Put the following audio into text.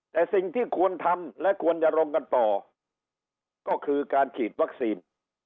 แต่สิ่งที่ควรทำและควรจะลงกันต่อก็คือการฉีดวัคซีน